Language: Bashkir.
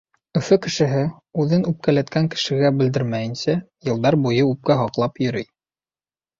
Өфө кешеһе, үҙен үпкәләткән кешегә белдермәйенсә, йылдар буйы үпкә һаҡлап йөрөй.